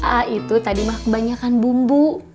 ah itu tadi mah kebanyakan bumbu